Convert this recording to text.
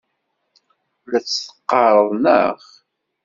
La tt-teqqareḍ, naɣ?